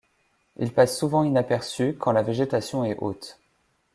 Ils passent souvent inaperçus quand la végétation est haute.